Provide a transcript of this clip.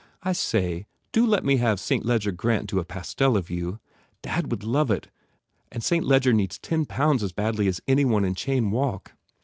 I say, do let me have St. Ledger Grant do a pastel of you. Dad would love it and St. Ledger needs ten pounds as badly as any one in Cheyne Walk."